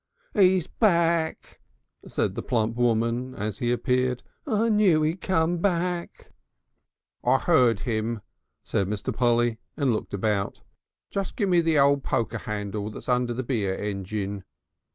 "'E's back," said the plump woman as he appeared. "I knew 'e'd come back." "I heard him," said Mr. Polly, and looked about. "Just gimme the old poker handle that's under the beer engine."